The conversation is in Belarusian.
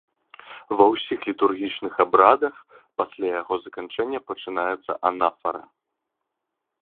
Ва ўсіх літургічных абрадах пасля яго заканчэння пачынаецца анафара.